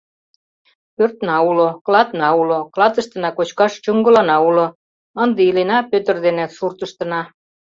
Пӧртна уло, клатна уло, клатыштына кочкаш чуҥгылана уло — ынде илена Пӧтыр дене суртыштына.